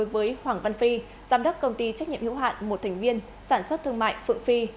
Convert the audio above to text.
với hoàng văn phi giám đốc công ty trách nhiệm hữu hạn một thành viên sản xuất thương mại phượng phi